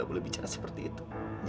oleh karena itu